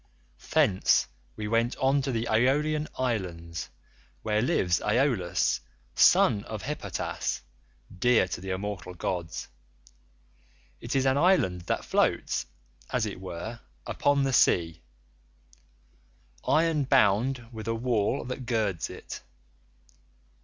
"Thence we went on to the Aeolian island where lives Aeolus son of Hippotas, dear to the immortal gods. It is an island that floats (as it were) upon the sea,83 iron bound with a wall that girds it.